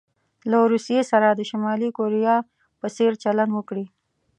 له روسيې سره د شمالي کوریا په څیر چلند وکړي.